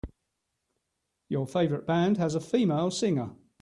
Your favorite band has a female singer.